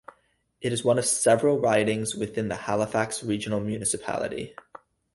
It is one of several ridings within the Halifax Regional Municipality.